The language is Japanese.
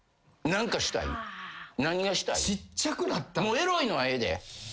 もうエロいのはええで。